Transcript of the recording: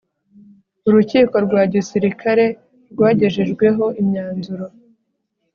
urukiko rwa gisirikare rwagejejweho imyanzuro